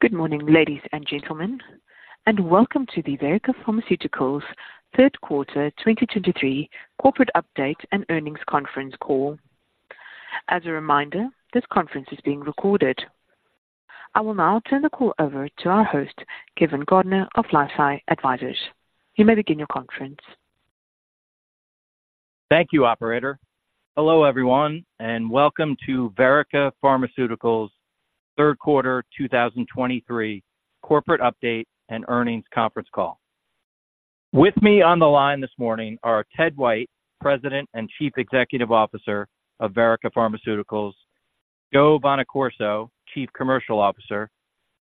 Good morning, ladies and gentlemen, and welcome to the Verrica Pharmaceuticals third quarter 2023 corporate update and earnings conference call. As a reminder, this conference is being recorded. I will now turn the call over to our host, Kevin Gardner of LifeSci Advisors. You may begin your conference. Thank you, operator. Hello, everyone, and welcome to Verrica Pharmaceuticals third quarter 2023 corporate update and earnings conference call. With me on the line this morning are Ted White, President and Chief Executive Officer of Verrica Pharmaceuticals, Joe Bonaccorso, Chief Commercial Officer,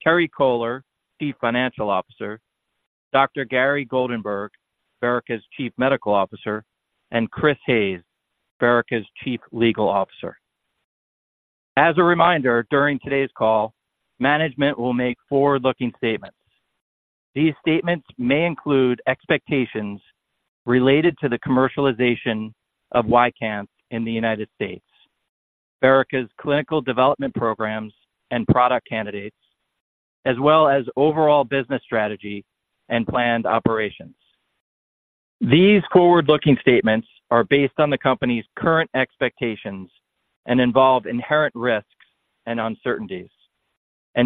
Terry Kohler, Chief Financial Officer, Dr. Gary Goldenberg, Verrica's Chief Medical Officer, and Chris Hayes, Verrica's Chief Legal Officer. As a reminder, during today's call, management will make forward-looking statements. These statements may include expectations related to the commercialization of YCANTH in the United States, Verrica's clinical development programs and product candidates, as well as overall business strategy and planned operations. These forward-looking statements are based on the company's current expectations and involve inherent risks and uncertainties.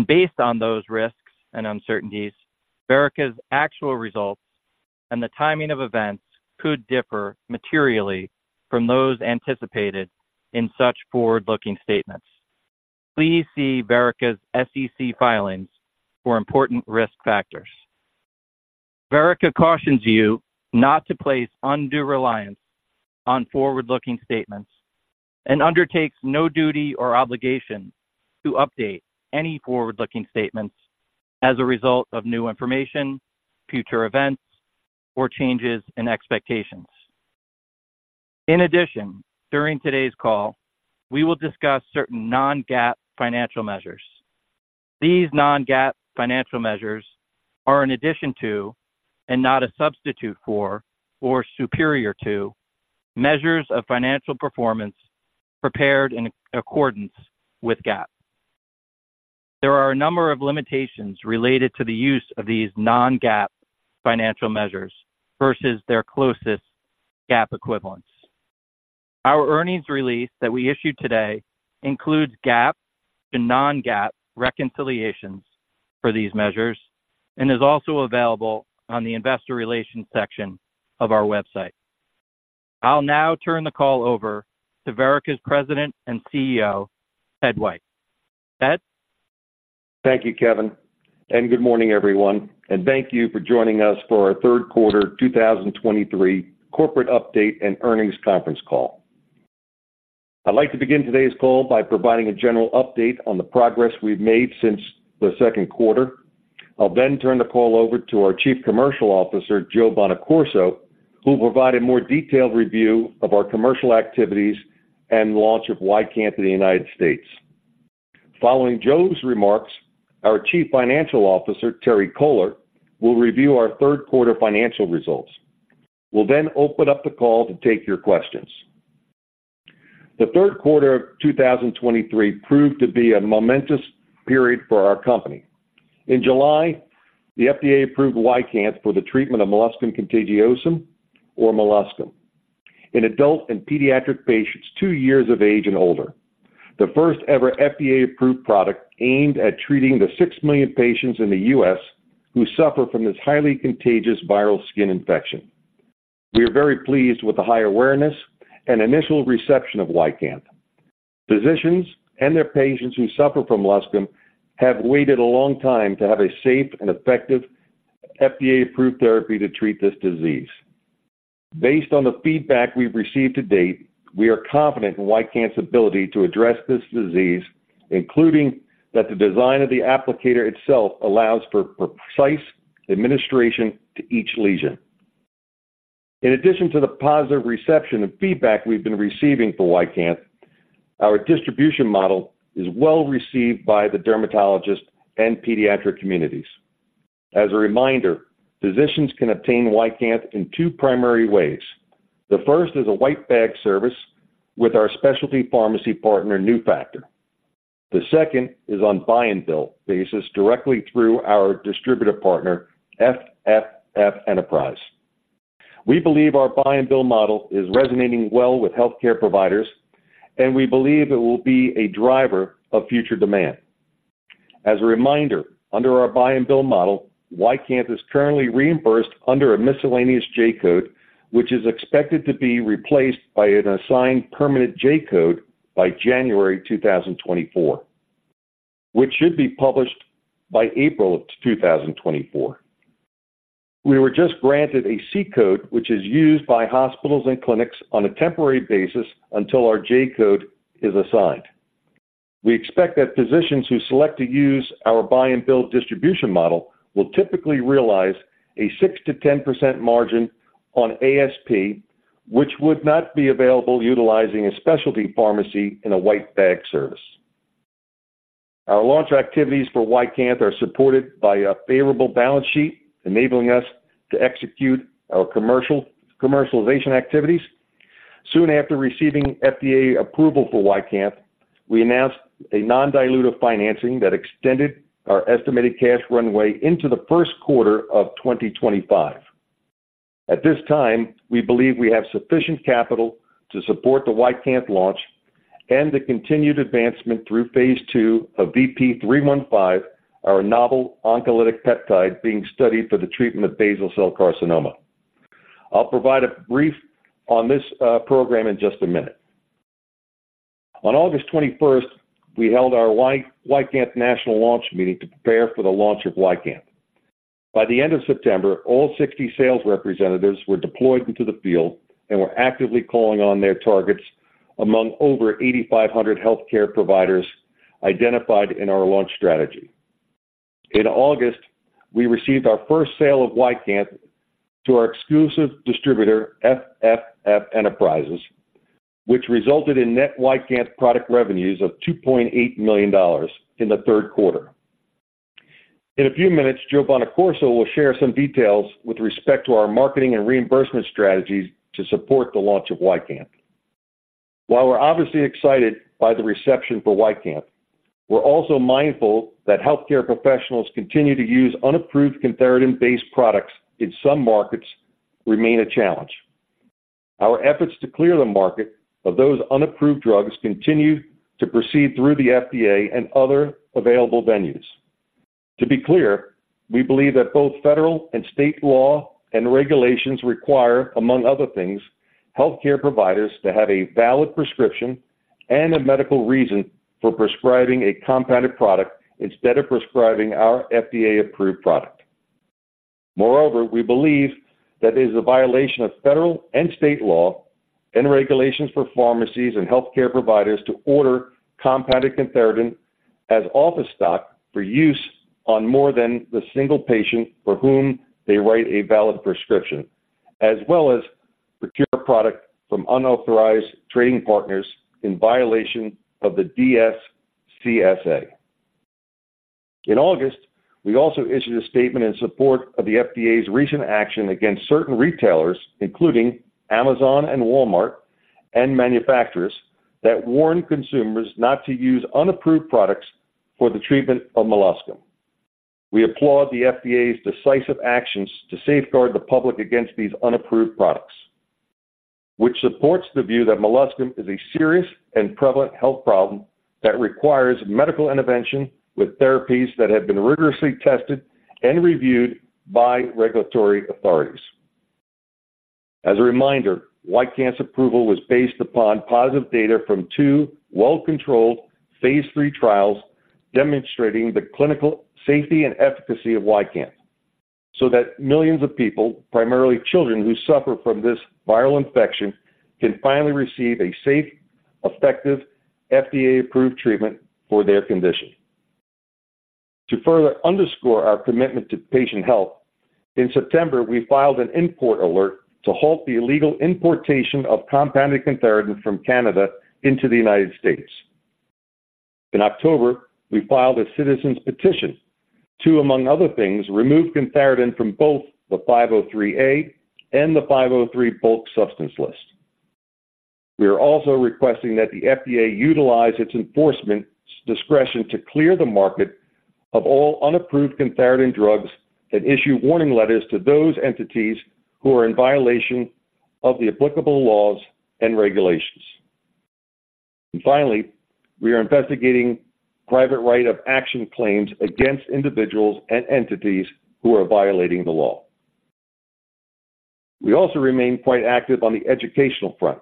Based on those risks and uncertainties, Verrica's actual results and the timing of events could differ materially from those anticipated in such forward-looking statements. Please see Verrica's SEC filings for important risk factors. Verrica cautions you not to place undue reliance on forward-looking statements and undertakes no duty or obligation to update any forward-looking statements as a result of new information, future events, or changes in expectations. In addition, during today's call, we will discuss certain non-GAAP financial measures. These non-GAAP financial measures are in addition to, and not a substitute for or superior to, measures of financial performance prepared in accordance with GAAP. There are a number of limitations related to the use of these non-GAAP financial measures versus their closest GAAP equivalents. Our earnings release that we issued today includes GAAP and non-GAAP reconciliations for these measures and is also available on the investor relations section of our website. I'll now turn the call over to Verrica's President and CEO, Ted White. Ted? Thank you, Kevin, and good morning, everyone, and thank you for joining us for our third quarter 2023 corporate update and earnings conference call. I'd like to begin today's call by providing a general update on the progress we've made since the second quarter. I'll then turn the call over to our Chief Commercial Officer, Joe Bonaccorso, who will provide a more detailed review of our commercial activities and launch of YCANTH in the United States. Following Joe's remarks, our Chief Financial Officer, Terry Kohler, will review our third quarter financial results. We'll then open up the call to take your questions. The third quarter of 2023 proved to be a momentous period for our company. In July, the FDA approved YCANTH for the treatment of molluscum contagiosum or molluscum in adult and pediatric patients 2 years of age and older. The first ever FDA-approved product aimed at treating the 6 million patients in the U.S. who suffer from this highly contagious viral skin infection. We are very pleased with the high awareness and initial reception of YCANTH. Physicians and their patients who suffer from molluscum have waited a long time to have a safe and effective FDA-approved therapy to treat this disease. Based on the feedback we've received to date, we are confident in YCANTH's ability to address this disease, including that the design of the applicator itself allows for precise administration to each lesion. In addition to the positive reception and feedback we've been receiving for YCANTH, our distribution model is well received by the dermatologist and pediatric communities. As a reminder, physicians can obtain YCANTH in two primary ways. The first is a white bag service with our specialty pharmacy partner, Nufactor. The second is on buy-and-bill basis directly through our distributor partner, FFF Enterprises. We believe our buy-and-bill model is resonating well with healthcare providers, and we believe it will be a driver of future demand. As a reminder, under our buy-and-bill model, YCANTH is currently reimbursed under a miscellaneous J code, which is expected to be replaced by an assigned permanent J code by January 2024, which should be published by April 2024. We were just granted a C code, which is used by hospitals and clinics on a temporary basis until our J code is assigned. We expect that physicians who select to use our buy-and-bill distribution model will typically realize a 6%-10% margin on ASP, which would not be available utilizing a specialty pharmacy in a white bag service. Our launch activities for YCANTH are supported by a favorable balance sheet, enabling us to execute our commercialization activities. Soon after receiving FDA approval for YCANTH, we announced a non-dilutive financing that extended our estimated cash runway into the first quarter of 2025. At this time, we believe we have sufficient capital to support the YCANTH launch and the continued advancement through phase II of VP-315, our novel oncolytic peptide being studied for the treatment of basal cell carcinoma. I'll provide a brief on this program in just a minute. On August 21, we held our YCANTH national launch meeting to prepare for the launch of YCANTH. By the end of September, all 60 sales representatives were deployed into the field and were actively calling on their targets among over 8,500 healthcare providers identified in our launch strategy. In August, we received our first sale of YCANTH to our exclusive distributor, FFF Enterprises, which resulted in net YCANTH product revenues of $2.8 million in the third quarter. In a few minutes, Joe Bonaccorso will share some details with respect to our marketing and reimbursement strategies to support the launch of YCANTH. While we're obviously excited by the reception for YCANTH, we're also mindful that healthcare professionals continue to use unapproved cantharidin-based products in some markets remain a challenge. Our efforts to clear the market of those unapproved drugs continue to proceed through the FDA and other available venues. To be clear, we believe that both federal and state law and regulations require, among other things, healthcare providers to have a valid prescription and a medical reason for prescribing a compounded product instead of prescribing our FDA-approved product. Moreover, we believe that it is a violation of federal and state law and regulations for pharmacies and healthcare providers to order compounded cantharidin as office stock for use on more than the single patient for whom they write a valid prescription, as well as procure product from unauthorized trading partners in violation of the DSCSA. In August, we also issued a statement in support of the FDA's recent action against certain retailers, including Amazon and Walmart, and manufacturers, that warn consumers not to use unapproved products for the treatment of molluscum. We applaud the FDA's decisive actions to safeguard the public against these unapproved products, which supports the view that molluscum is a serious and prevalent health problem that requires medical intervention with therapies that have been rigorously tested and reviewed by regulatory authorities. As a reminder, YCANTH's approval was based upon positive data from two well-controlled phase III trials, demonstrating the clinical safety and efficacy of YCANTH, so that millions of people, primarily children, who suffer from this viral infection, can finally receive a safe, effective, FDA-approved treatment for their condition. To further underscore our commitment to patient health, in September, we filed an import alert to halt the illegal importation of compounded cantharidin from Canada into the United States. In October, we filed a citizen's petition to, among other things, remove cantharidin from both the 503A and the 503B bulk substance list. We are also requesting that the FDA utilize its enforcement discretion to clear the market of all unapproved cantharidin drugs and issue warning letters to those entities who are in violation of the applicable laws and regulations. Finally, we are investigating private right of action claims against individuals and entities who are violating the law. We also remain quite active on the educational front.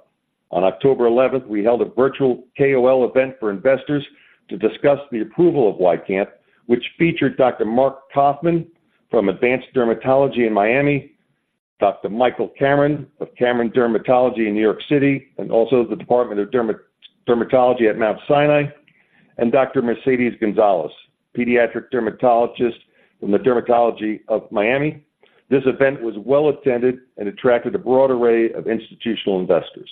On October eleventh, we held a virtual KOL event for investors to discuss the approval of YCANTH, which featured Dr. Mark Kaufmann from Advanced Dermatology in Miami, Dr. Michael Cameron of Cameron Dermatology in New York City, and also the Department of Dermatology at Mount Sinai, and Dr. Mercedes Gonzalez, pediatric dermatologist from the Dermatology of Miami. This event was well attended and attracted a broad array of institutional investors.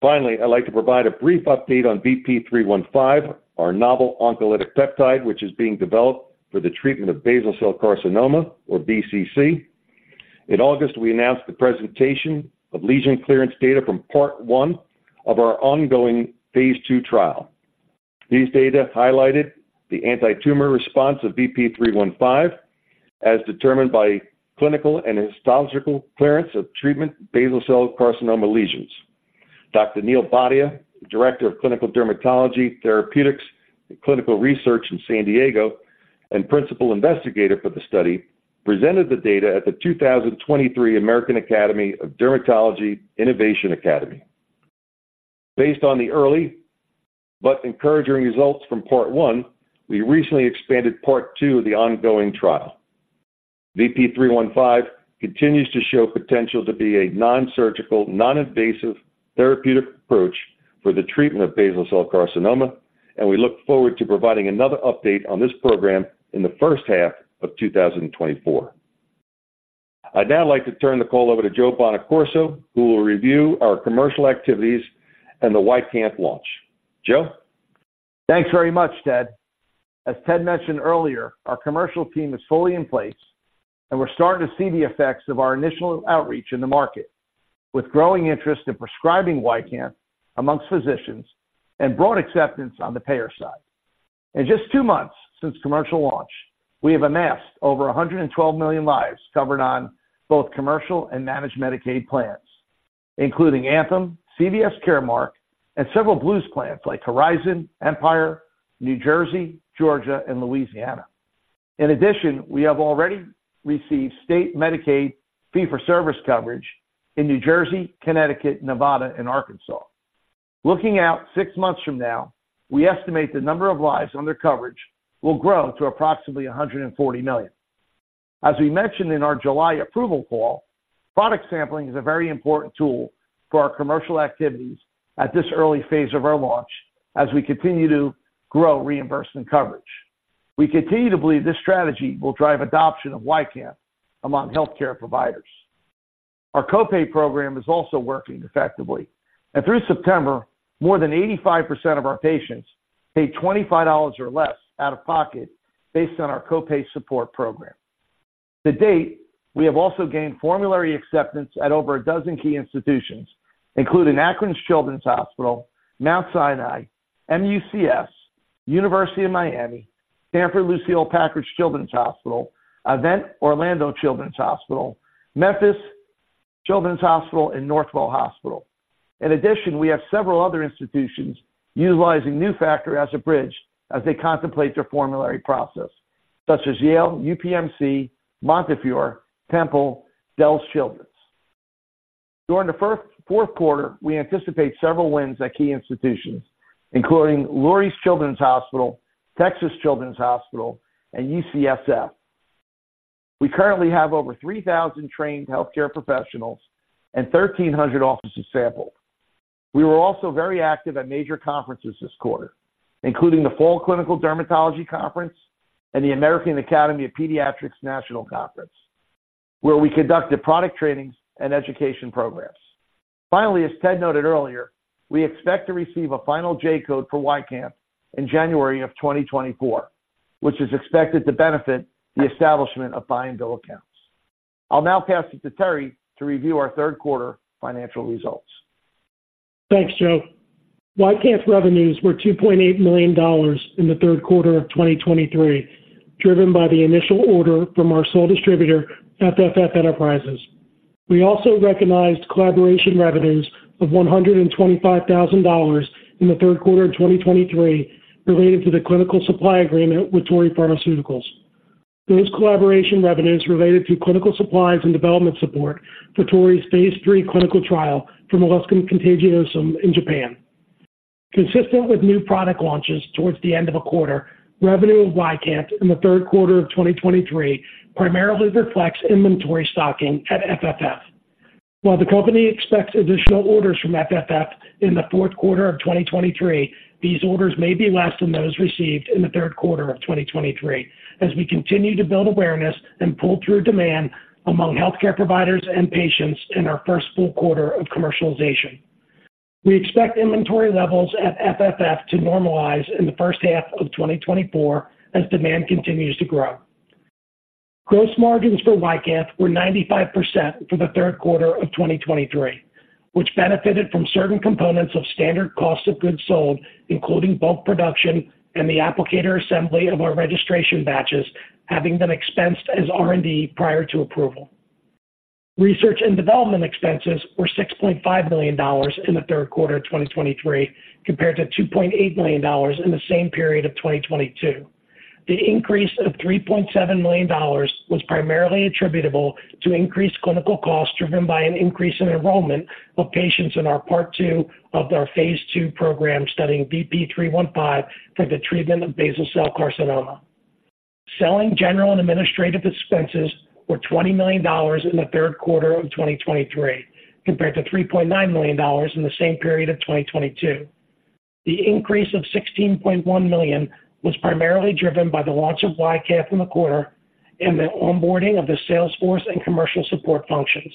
Finally, I'd like to provide a brief update on VP-315, our novel oncolytic peptide, which is being developed for the treatment of basal cell carcinoma or BCC. In August, we announced the presentation of lesion clearance data from part one of our ongoing phase II trial. These data highlighted the antitumor response of VP-315, as determined by clinical and histological clearance of treatment basal cell carcinoma lesions. Dr. Neal Bhatia, Director of Clinical Dermatology Therapeutics and Clinical Research in San Diego, and principal investigator for the study, presented the data at the 2023 American Academy of Dermatology Innovation Academy. Based on the early but encouraging results from part one, we recently expanded part two of the ongoing trial. VP-315 continues to show potential to be a non-surgical, non-invasive therapeutic approach for the treatment of basal cell carcinoma, and we look forward to providing another update on this program in the first half of 2024. I'd now like to turn the call over to Joe Bonaccorso, who will review our commercial activities and the YCANTH launch. Joe? Thanks very much, Ted. As Ted mentioned earlier, our commercial team is fully in place, and we're starting to see the effects of our initial outreach in the market, with growing interest in prescribing YCANTH among physicians and broad acceptance on the payer side. In just 2 months since commercial launch, we have amassed over 112 million lives covered on both commercial and managed Medicaid plans, including Anthem, CVS Caremark, and several Blues plans like Horizon, Empire, New Jersey, Georgia, and Louisiana. In addition, we have already received state Medicaid fee-for-service coverage in New Jersey, Connecticut, Nevada, and Arkansas. Looking out 6 months from now, we estimate the number of lives under coverage will grow to approximately 140 million. As we mentioned in our July approval call, product sampling is a very important tool for our commercial activities at this early phase of our launch as we continue to grow reimbursement coverage. We continue to believe this strategy will drive adoption of YCANTH among healthcare providers. Our co-pay program is also working effectively, and through September, more than 85% of our patients paid $25 or less out-of-pocket based on our co-pay support program. To date, we have also gained formulary acceptance at over a dozen key institutions, including Akron Children's Hospital, Mount Sinai, MUSC, University of Miami, Lucile Packard Children's Hospital Stanford, AdventHealth Orlando Children's Hospital, Memphis Children's Hospital, and Northwell Health. In addition, we have several other institutions utilizing NuFACTOR as a bridge as they contemplate their formulary process, such as Yale, UPMC, Montefiore, Temple, Dell Children's. During the fourth quarter, we anticipate several wins at key institutions, including Lurie Children's Hospital, Texas Children's Hospital, and UCSF. We currently have over 3,000 trained healthcare professionals and 1,300 offices sampled. We were also very active at major conferences this quarter, including the Fall Clinical Dermatology Conference and the American Academy of Pediatrics National Conference, where we conducted product trainings and education programs. Finally, as Ted noted earlier, we expect to receive a final J code for YCANTH in January 2024, which is expected to benefit the establishment of buy-and-bill accounts. I'll now pass it to Terry to review our third quarter financial results. Thanks, Joe. YCANTH's revenues were $2.8 million in the third quarter of 2023, driven by the initial order from our sole distributor, FFF Enterprises. We also recognized collaboration revenues of $125,000 in the third quarter of 2023 related to the clinical supply agreement with Torii Pharmaceutical. Those collaboration revenues related to clinical supplies and development support for Torii's phase 3 clinical trial for molluscum contagiosum in Japan. Consistent with new product launches towards the end of a quarter, revenue of YCANTH in the third quarter of 2023 primarily reflects inventory stocking at FFF. While the company expects additional orders from FFF in the fourth quarter of 2023, these orders may be less than those received in the third quarter of 2023, as we continue to build awareness and pull through demand among healthcare providers and patients in our first full quarter of commercialization. We expect inventory levels at FFF to normalize in the first half of 2024 as demand continues to grow. Gross margins for YCANTH were 95% for the third quarter of 2023, which benefited from certain components of standard cost of goods sold, including bulk production and the applicator assembly of our registration batches, having been expensed as R&D prior to approval. Research and development expenses were $6.5 million in the third quarter of 2023, compared to $2.8 million in the same period of 2022. The increase of $3.7 million was primarily attributable to increased clinical costs, driven by an increase in enrollment of patients in our part two of our phase 2 program, studying VP-315 for the treatment of basal cell carcinoma. Selling general and administrative expenses were $20 million in the third quarter of 2023, compared to $3.9 million in the same period of 2022. The increase of $16.1 million was primarily driven by the launch of YCANTH in the quarter and the onboarding of the salesforce and commercial support functions.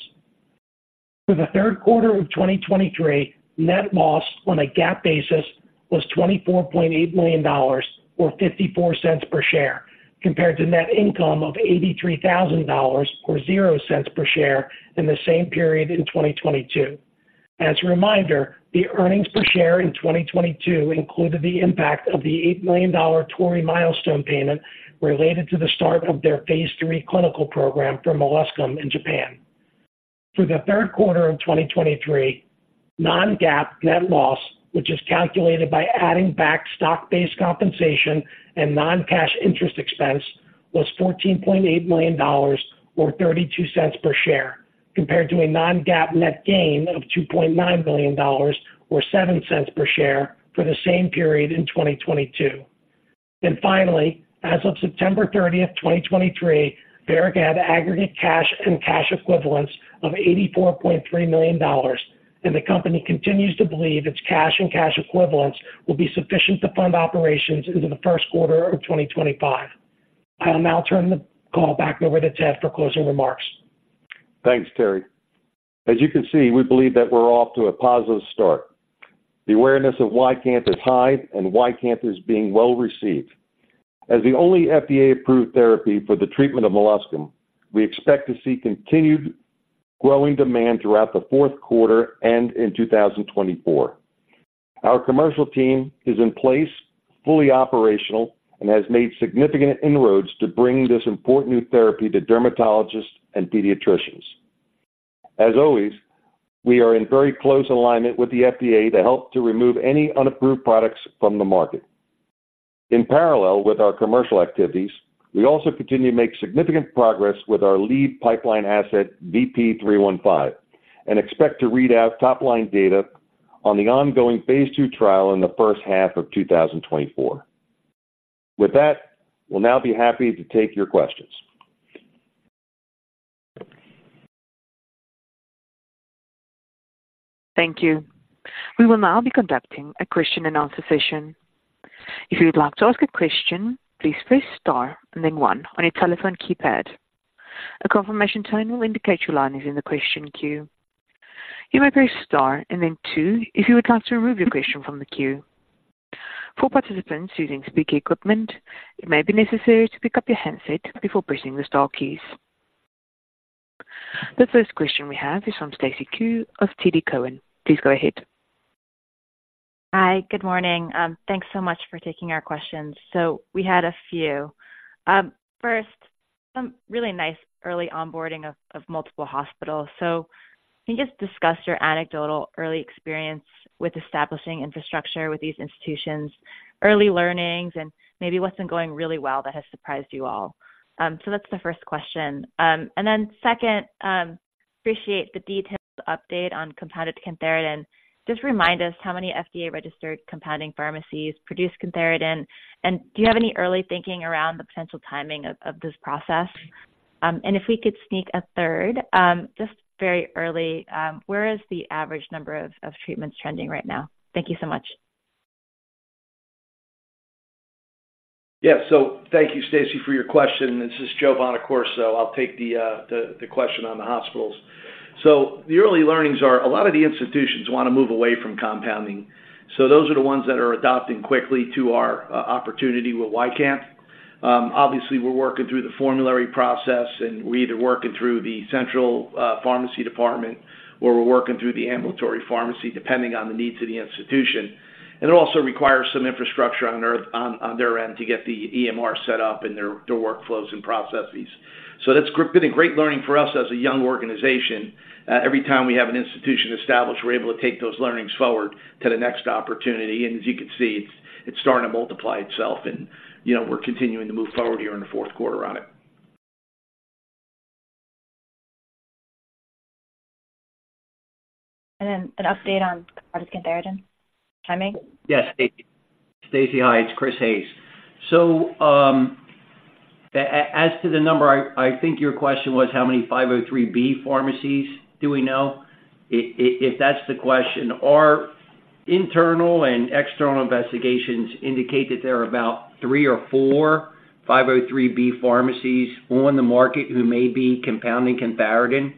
For the third quarter of 2023, net loss on a GAAP basis was $24.8 million, or $0.54 per share, compared to net income of $83,000, or 0 cents per share in the same period in 2022. As a reminder, the earnings per share in 2022 included the impact of the $8 million Torii milestone payment related to the start of their phase 3 clinical program for molluscum in Japan. For the third quarter of 2023, non-GAAP net loss, which is calculated by adding back stock-based compensation and non-cash interest expense, was $14.8 million, or 32 cents per share, compared to a non-GAAP net gain of $2.9 million, or 7 cents per share, for the same period in 2022. And finally, as of September 30, 2023, Verrica had aggregate cash and cash equivalents of $84.3 million, and the company continues to believe its cash and cash equivalents will be sufficient to fund operations into the first quarter of 2025. I'll now turn the call back over to Ted for closing remarks. Thanks, Terry. As you can see, we believe that we're off to a positive start. The awareness of YCANTH is high, and YCANTH is being well received. As the only FDA-approved therapy for the treatment of molluscum, we expect to see continued growing demand throughout the fourth quarter and in 2024. Our commercial team is in place, fully operational, and has made significant inroads to bring this important new therapy to dermatologists and pediatricians. As always, we are in very close alignment with the FDA to help to remove any unapproved products from the market. In parallel with our commercial activities, we also continue to make significant progress with our lead pipeline asset, VP-315, and expect to read out top-line data on the ongoing phase 2 trial in the first half of 2024. With that, we'll now be happy to take your questions. Thank you. We will now be conducting a question and answer session. If you would like to ask a question, please press star and then one on your telephone keypad. A confirmation tone will indicate your line is in the question queue. You may press star and then two if you would like to remove your question from the queue. For participants using speaker equipment, it may be necessary to pick up your handset before pressing the star keys. The first question we have is from Stacy Ku of TD Cowen. Please go ahead. Hi, good morning. Thanks so much for taking our questions. So we had a few. First, some really nice early onboarding of multiple hospitals. So can you just discuss your anecdotal early experience with establishing infrastructure with these institutions, early learnings, and maybe what's been going really well that has surprised you all? So that's the first question. And then second, appreciate the detailed update on compounded Cantharidin. Just remind us how many FDA-registered compounding pharmacies produce Cantharidin, and do you have any early thinking around the potential timing of this process? And if we could sneak a third, just very early, where is the average number of treatments trending right now? Thank you so much. Yeah. So thank you, Stacy, for your question. This is Joe Bonaccorso. I'll take the question on the hospitals. So the early learnings are a lot of the institutions want to move away from compounding. So those are the ones that are adopting quickly to our opportunity with YCANTH. Obviously, we're working through the formulary process, and we're either working through the central pharmacy department, or we're working through the ambulatory pharmacy, depending on the needs of the institution. And it also requires some infrastructure on their end to get the EMR set up and their workflows and processes. So that's been a great learning for us as a young organization. Every time we have an institution established, we're able to take those learnings forward to the next opportunity, and as you can see, it's starting to multiply itself and, you know, we're continuing to move forward here in the fourth quarter on it. And then an update on Cantharidin timing. Yes, Stacy. Stacy, hi, it's Chris Hayes. So, as to the number, I think your question was how many 503B pharmacies do we know? If that's the question, our internal and external investigations indicate that there are about 3 or 4 503B pharmacies on the market who may be compounding cantharidin.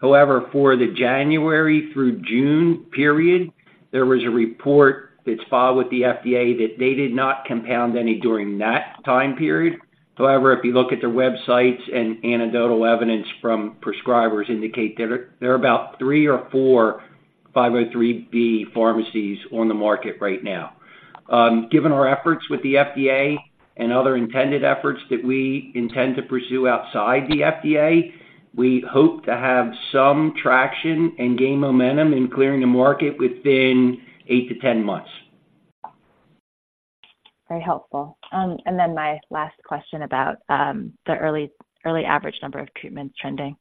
However, for the January through June period, there was a report that's filed with the FDA that they did not compound any during that time period. However, if you look at their websites and anecdotal evidence from prescribers indicate there are about 3 or 4 503B pharmacies on the market right now. Given our efforts with the FDA and other intended efforts that we intend to pursue outside the FDA, we hope to have some traction and gain momentum in clearing the market within 8-10 months. Very helpful. My last question about the early, early average number of treatments trending?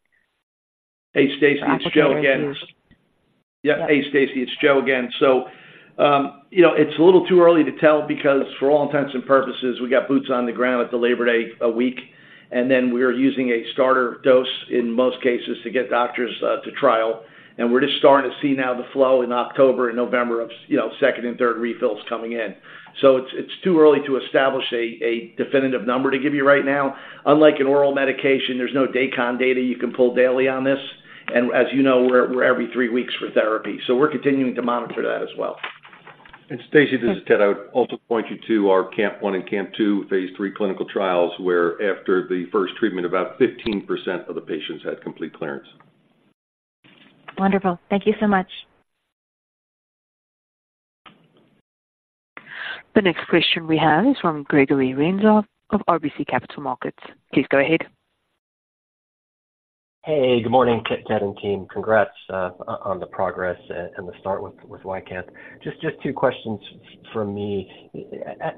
Hey, Stacy, it's Joe again. Yeah. Yeah. Hey, Stacy, it's Joe again. So, you know, it's a little too early to tell because for all intents and purposes, we got boots on the ground at the Labor Day a week, and then we are using a starter dose in most cases to get doctors to trial. And we're just starting to see now the flow in October and November of, you know, second and third refills coming in. So it's too early to establish a definitive number to give you right now. Unlike an oral medication, there's no day count data you can pull daily on this, and as you know, we're every three weeks for therapy. So we're continuing to monitor that as well. Stacy, this is Ted. I would also point you to our CAMP-1 and CAMP-2 phase III clinical trials, where after the first treatment, about 15% of the patients had complete clearance. Wonderful. Thank you so much. The next question we have is from Gregory Renza of RBC Capital Markets. Please go ahead. Hey, good morning, Ted and team. Congrats on the progress and the start with YCANTH. Just two questions from me.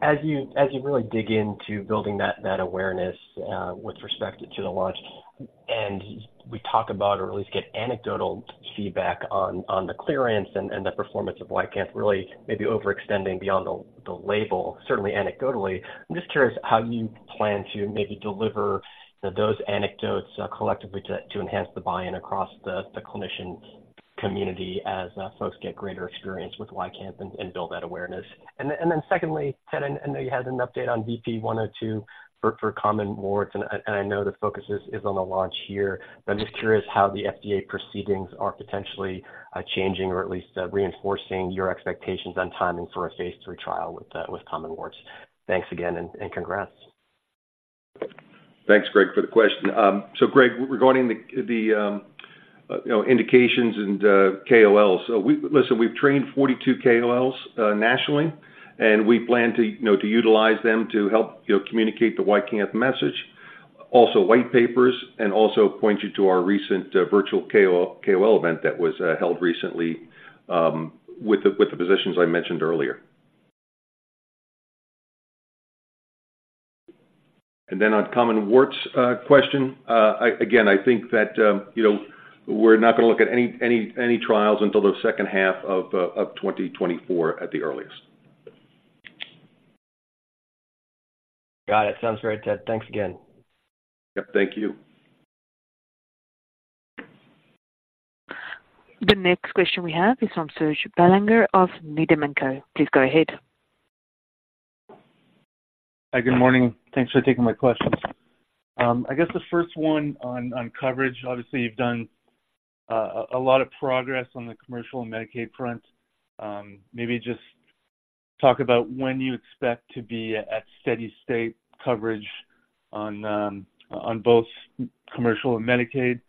As you really dig into building that awareness with respect to the launch, and we talk about or at least get anecdotal feedback on the clearance and the performance of YCANTH, really maybe overextending beyond the label, certainly anecdotally, I'm just curious how you plan to maybe deliver, you know, those anecdotes collectively to enhance the buy-in across the clinicians community as folks get greater experience with YCANTH and build that awareness. And then, and then secondly, Ted, I know you had an update on VP-102 for common warts, and I, and I know the focus is on the launch here, but I'm just curious how the FDA proceedings are potentially changing or at least reinforcing your expectations on timing for a phase III trial with common warts. Thanks again, and congrats. Thanks, Greg, for the question. So Greg, regarding the, you know, indications and KOLs. So we -- listen, we've trained 42 KOLs nationally, and we plan to, you know, to utilize them to help, you know, communicate the YCANTH message. Also, white papers, and also point you to our recent virtual KOL event that was held recently with the physicians I mentioned earlier. And then on common warts question, I -- again, I think that, you know, we're not going to look at any trials until the second half of 2024 at the earliest. Got it. Sounds great, Ted. Thanks again. Yep, thank you. The next question we have is from Serge Belanger of Needham & Company. Please go ahead. Hi, good morning. Thanks for taking my questions. I guess the first one on coverage, obviously, you've done a lot of progress on the commercial and Medicaid front. Maybe just talk about when you expect to be at steady state coverage on both commercial and Medicaid.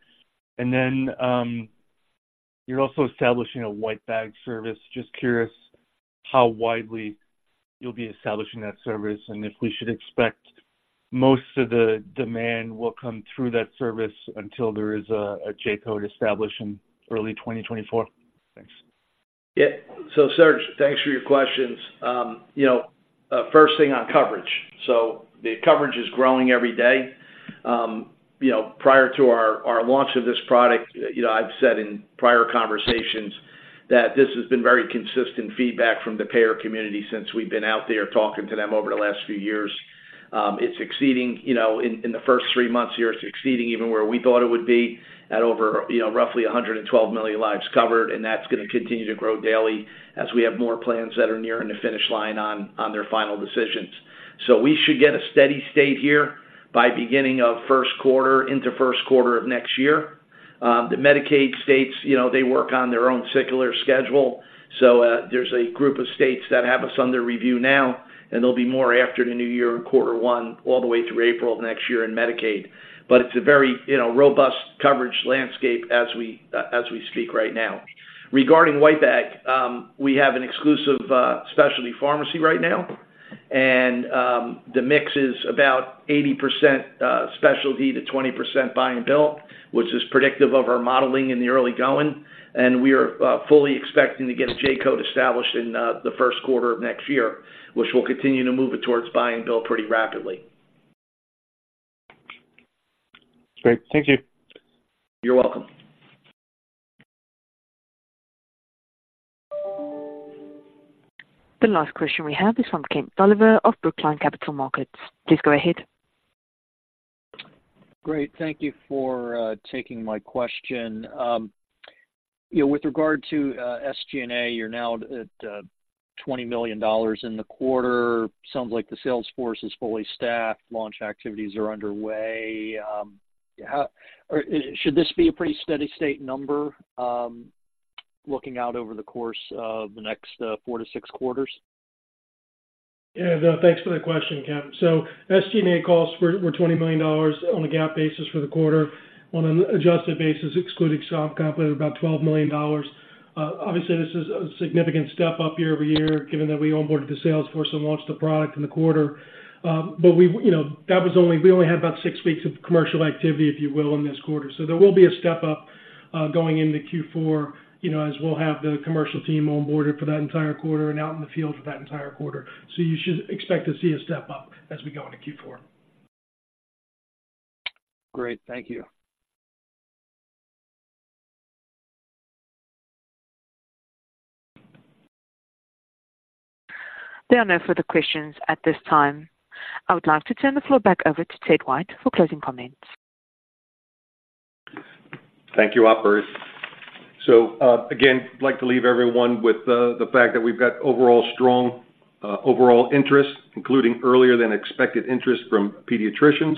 And then, you're also establishing a White Bag service. Just curious how widely you'll be establishing that service, and if we should expect most of the demand will come through that service until there is a J-code established in early 2024? Thanks. Yeah. So Serge, thanks for your questions. You know, first thing on coverage. So the coverage is growing every day. You know, prior to our launch of this product, you know, I've said in prior conversations that this has been very consistent feedback from the payer community since we've been out there talking to them over the last few years. It's exceeding, you know, in the first three months here, it's exceeding even where we thought it would be, at over, you know, roughly 112 million lives covered, and that's going to continue to grow daily as we have more plans that are nearing the finish line on their final decisions. So we should get a steady state here by beginning of first quarter into first quarter of next year. The Medicaid states, you know, they work on their own circular schedule, so, there's a group of states that have us under review now, and there'll be more after the new year in quarter one, all the way through April of next year in Medicaid. But it's a very, you know, robust coverage landscape as we, as we speak right now. Regarding White Bag, we have an exclusive specialty pharmacy right now, and the mix is about 80% specialty to 20% Buy-and-Bill, which is predictive of our modeling in the early going. And we are fully expecting to get a J code established in the first quarter of next year, which will continue to move it towards Buy-and-Bill pretty rapidly. Great. Thank you. You're welcome. The last question we have is from Kemp Dolliver of Brookline Capital Markets. Please go ahead. Great. Thank you for taking my question. You know, with regard to SG&A, you're now at $20 million in the quarter. Sounds like the sales force is fully staffed, launch activities are underway. Or should this be a pretty steady state number looking out over the course of the next 4-6 quarters? Yeah, no, thanks for that question, Kent. So SG&A costs were twenty million dollars on a GAAP basis for the quarter. On an adjusted basis, excluding comp, was about $12 million. Obviously, this is a significant step up year-over-year, given that we onboarded the sales force and launched the product in the quarter. But we, you know, that was only we only had about 6 weeks of commercial activity, if you will, in this quarter. So there will be a step up going into Q4, you know, as we'll have the commercial team onboarded for that entire quarter and out in the field for that entire quarter. So you should expect to see a step up as we go into Q4. Great. Thank you. There are no further questions at this time. I would like to turn the floor back over to Ted White for closing comments. Thank you, operator. So, again, I'd like to leave everyone with the fact that we've got overall strong overall interest, including earlier than expected interest from pediatricians.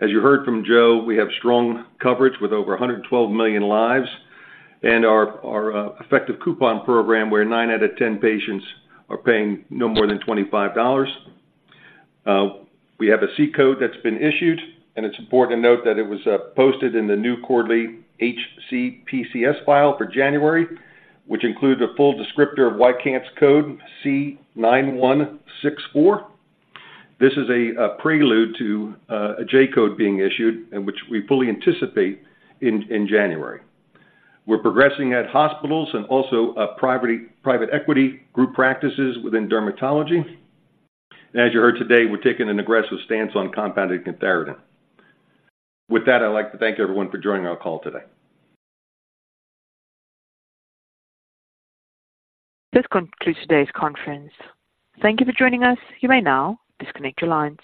As you heard from Joe, we have strong coverage with over 112 million lives, and our effective coupon program, where 9 out of 10 patients are paying no more than $25. We have a C code that's been issued, and it's important to note that it was posted in the new quarterly HCPCS file for January, which includes a full descriptor of YCANTH's code, C9164. This is a prelude to a J-code being issued, which we fully anticipate in January. We're progressing at hospitals and also private equity group practices within dermatology. As you heard today, we're taking an aggressive stance on compounded cantharidin. With that, I'd like to thank everyone for joining our call today. This concludes today's conference. Thank you for joining us. You may now disconnect your lines.